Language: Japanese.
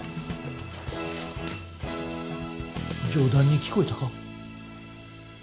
冗談に聞こえたか？